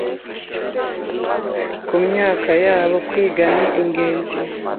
Ku myaka yabo kwiga ni ingenzi